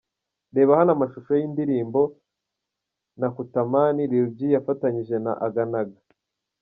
Reba hano amashusho y’indirimbo ‘Nakutamani’, Lil G yafatanyije na Aganaga .